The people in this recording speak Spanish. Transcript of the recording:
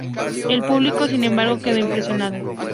El público, sin embargo, quedó impresionado.